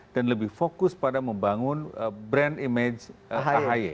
dan lebih fokus pada membangun brand image ahy